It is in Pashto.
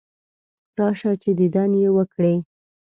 راشه چې دیدن یې وکړې.